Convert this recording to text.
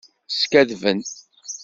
Skaddben.